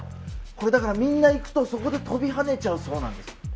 だからみんな行くとそこで飛び跳ねちゃうそうなんです